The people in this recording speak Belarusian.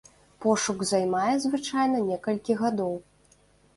Пошук займае звычайна некалькі гадоў.